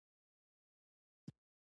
منډه انسان مثبت ساتي